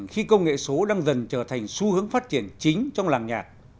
khi công nghệ số đang dần trở thành xu hướng phát triển chính trong làng nhạc